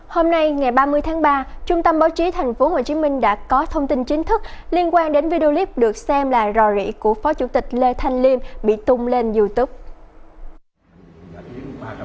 hôm nay ngày ba mươi tháng ba trung tâm báo chí thành phố hồ chí minh đã có thông tin chính thức liên quan đến video clip được xem là rò rỉ của phó chủ tịch lê thanh liêm bị tung lên youtube